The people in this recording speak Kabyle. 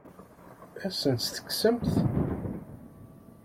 Ad asen-tt-tekksemt?